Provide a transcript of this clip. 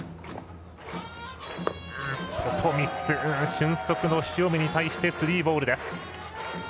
俊足の塩見に対してスリーボールです。